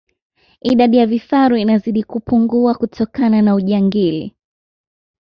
idadi ya vifaru inazidi kupungua kutokana na ujangili